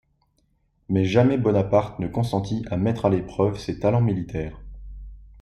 Mais jamais Bonaparte ne consentit à mettre à l'épreuve ses talents militaires.